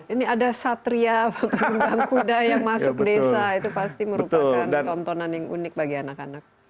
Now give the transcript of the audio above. ini ada satria dan kuda yang masuk desa itu pasti merupakan tontonan yang unik bagi anak anak